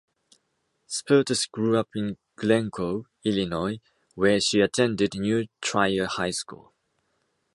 Spertus grew up in Glencoe, Illinois, where she attended New Trier High School.